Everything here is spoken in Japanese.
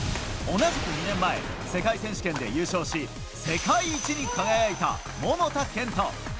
同じく２年前世界選手権で優勝し世界一に輝いた桃田賢斗。